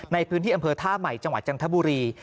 ในพื้นที่อำเภอท่าใหม่จังหวัดจันทบุรี